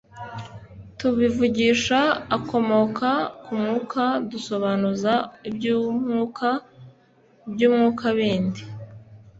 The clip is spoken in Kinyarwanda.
tubivugisha akomoka ku Mwuka, dusobanuza iby'Umwuka iby'Umwuka bindi.